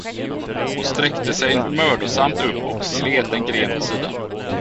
Hon sträckte sig mödosamt upp och slet en gren åt sidan.